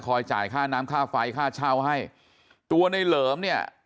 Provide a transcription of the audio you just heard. จ่ายค่าน้ำค่าไฟค่าเช่าให้ตัวในเหลิมเนี่ย